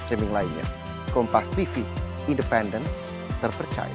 streaming lainnya kompas tv independen terpercaya